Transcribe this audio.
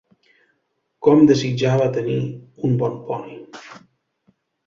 Com desitjava tenir un bon poni!